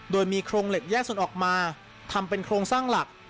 โดยมีโครงเหล็กแยกส่วนออกมาทำเป็นโครงสร้างหลัก